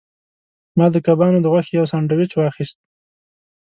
ما د کبانو د غوښې یو سانډویچ واخیست.